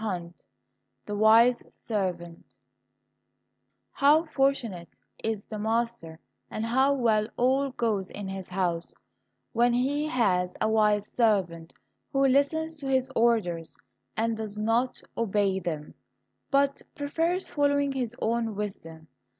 162 The Wise Servant How fortunate is the master, and how well all goes in his house, when he has a wise servant who listens to his orders and does not obey them, but prefers following his own wisdom.